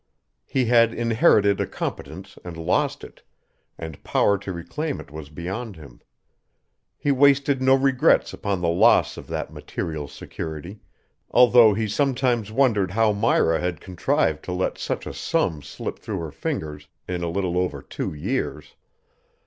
He had inherited a competence and lost it, and power to reclaim it was beyond him. He wasted no regrets upon the loss of that material security, although he sometimes wondered how Myra had contrived to let such a sum slip through her fingers in a little over two years.